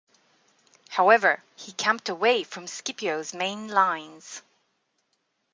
However, he camped away from Scipio's main lines.